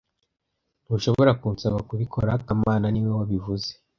Ntushobora kunsaba kubikora kamana niwe wabivuze